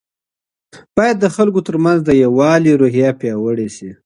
باید د خلګو ترمنځ د یووالي روحیه پیاوړې سي.